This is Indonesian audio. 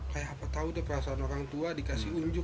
kayak apa tau deh perasaan orang tua dikasih unjuk